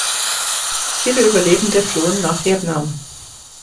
Viele Überlebende flohen nach Vietnam.